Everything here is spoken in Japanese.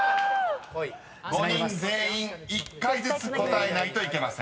［５人全員１回ずつ答えないといけません］